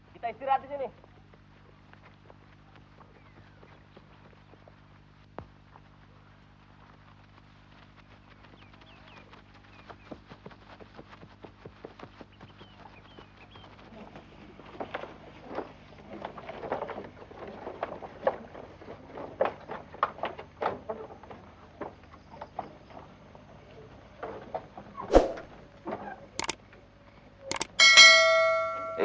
kita istirahat di sini